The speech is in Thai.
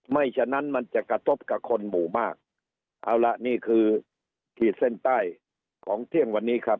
ฉะนั้นมันจะกระทบกับคนหมู่มากเอาละนี่คือขีดเส้นใต้ของเที่ยงวันนี้ครับ